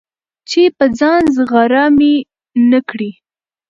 چي په ځان غره مي نه کړې،